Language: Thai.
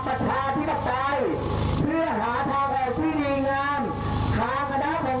แกเป็นการได้เลยมาซึ่งสมบัติอนุญาตของประชาชน